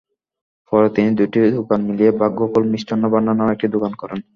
পরে তিনি দুটি দোকান মিলিয়ে ভাগ্যকুল মিষ্টান্ন ভান্ডার নামে একটি দোকান করেন।